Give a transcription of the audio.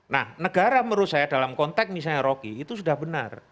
nah negara menurut saya dalam konteks misalnya rocky itu sudah benar